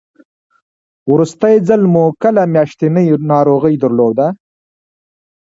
وروستی ځل مو کله میاشتنۍ ناروغي درلوده؟